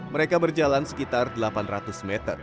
mereka berjalan sekitar delapan ratus meter